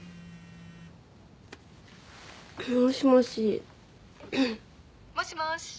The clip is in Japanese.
もしもしもしもし